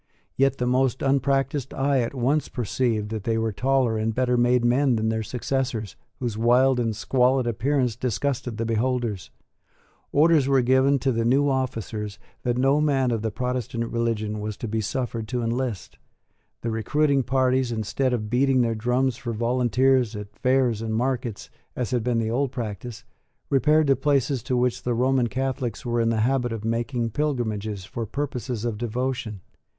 Yet the most unpractised eye at once perceived that they were taller and better made men than their successors, whose wild and squalid appearance disgusted the beholders. Orders were given to the new officers that no man of the Protestant religion was to be suffered to enlist. The recruiting parties, instead of beating their drums for volunteers at fairs and markets, as had been the old practice, repaired to places to which the Roman Catholics were in the habit of making pilgrimages for purposes of devotion.